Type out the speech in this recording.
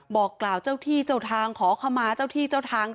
บอกกล่าวเจ้าที่เจ้าทางขอขมาเจ้าที่เจ้าทาง